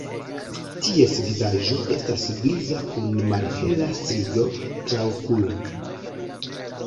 Ties vizaĝo estas griza kun malhela strio traokula.